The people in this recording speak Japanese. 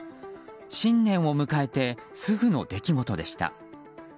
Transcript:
新年を迎えてすぐの出来事でした。